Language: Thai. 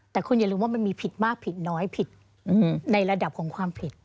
แต่คุณอย่าลืมว่ามันมีผิดมากผิดน้อยผิดในระดับของความผิด